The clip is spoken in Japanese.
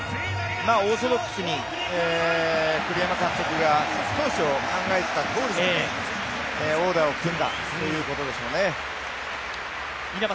オーソドックスに栗山監督が当初、考えていたとおりのオーダーを組んだということでしょうね。